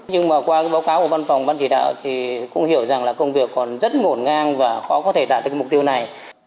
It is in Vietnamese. nhưng mà qua báo cáo của văn phòng ban chỉ đạo thì cũng hiểu rằng là công việc còn rất ngổn ngang và khó có thể tạo ra mục tiêu này